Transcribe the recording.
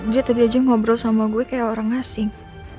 dia tadi aja ngobrol sama gue kayak orang asing